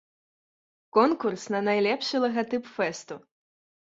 Конкурс на найлепшы лагатып фэсту.